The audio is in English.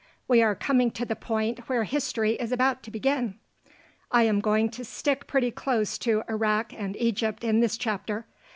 We are coming to the point where history is about to begin. I am going to stick pretty close to Iraq and Egypt in this chapter.